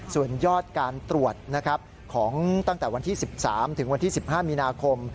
ส่วนยอดการตรวจของตั้งแต่วันที่๑๓ถึงวันที่๑๕มีนาคม